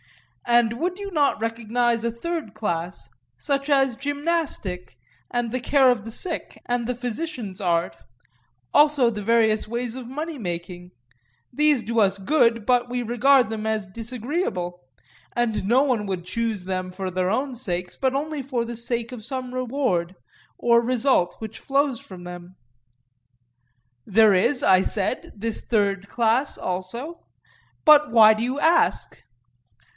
And would you not recognize a third class, such as gymnastic, and the care of the sick, and the physician's art; also the various ways of money making—these do us good but we regard them as disagreeable; and no one would choose them for their own sakes, but only for the sake of some reward or result which flows from them? There is, I said, this third class also. But why do you ask?